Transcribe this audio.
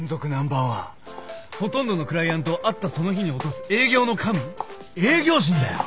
ほとんどのクライアントを会ったその日に落とす営業の神営業神だよ。